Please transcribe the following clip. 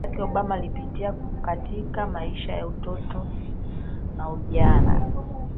Barack Obama alipitia katika maisha ya Utoto na Ujana